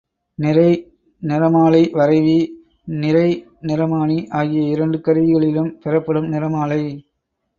நிறை நிறமாலை வரைவி, நிறை நிறமானி ஆகிய இரண்டு கருவிகளிலும் பெறப்படும் நிறமாலை.